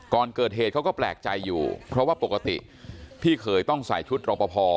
ก่อนเกิดเหตุเขาก็แปลกใจอยู่เพราะว่าปกติพี่เขยต้องใส่ชุดรอปภ